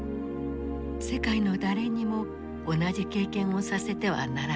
世界の誰にも同じ経験をさせてはならない。